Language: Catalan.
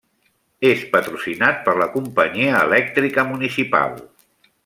És patrocinat per la companyia elèctrica municipal.